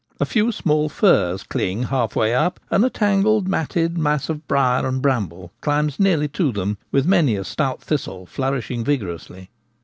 A few small firs cling half way up, and a tangled, matted mass of briar and bramble climbs nearly to them, with many a stout thistle flourishing vigorously.